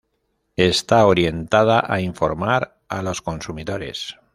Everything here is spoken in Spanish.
Está orientada a informar a los consumidores.